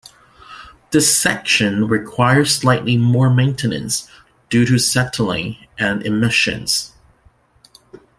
This section requires slightly more maintenance due to settling and emissions.